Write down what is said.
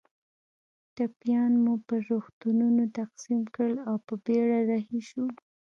ټپیان مو پر روغتونونو تقسیم کړل او په بېړه رهي شوو.